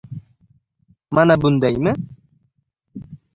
Mana bundaymi?